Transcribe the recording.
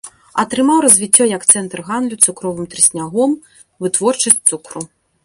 Атрымаў развіццё як цэнтр гандлю цукровым трыснягом, вытворчасць цукру.